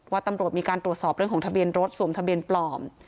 ตำรวจมีการตรวจสอบเรื่องของทะเบียนรถสวมทะเบียนปลอม